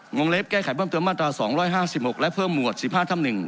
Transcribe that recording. งเล็บแก้ไขเพิ่มเติมมาตรา๒๕๖และเพิ่มหมวด๑๕ทับ๑